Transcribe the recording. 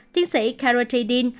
tiến sĩ cara tidin